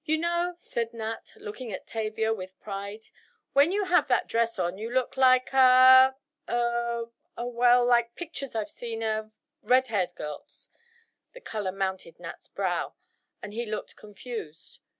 "You know," said Nat, looking at Tavia with pride, "when you have that dress on you look like a—er—a well, like pictures I've seen of—red haired girls," the color mounted Nat's brow and he looked confused.